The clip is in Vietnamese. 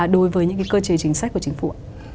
đối với những cơ chế chính sách của chính phủ